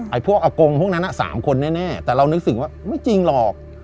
ไอพวกอากงพวกนั้นอาสารคนแน่แต่เรานึกสิ่งความว่าไม่จริงหรอก